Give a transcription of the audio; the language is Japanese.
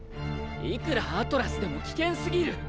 いくらアトラスでも危険すぎる！